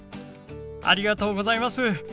ありがとうございます。